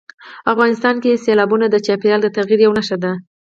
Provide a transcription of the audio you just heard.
افغانستان کې سیلابونه د چاپېریال د تغیر یوه نښه ده.